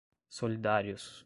solidários